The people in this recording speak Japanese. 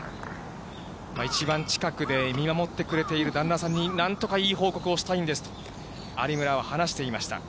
一番近くで見守ってくれている旦那さんに、なんとかいい報告をしたいんですと、有村は話していました。